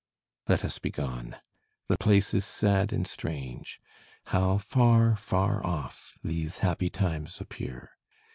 Let us begone the place is sad and strange How far, far off, these happy times appear!